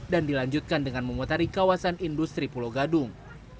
dan dilanjutkan dengan memotari kawasan industri pulau gedung